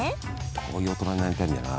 こういう大人になりたいんだよな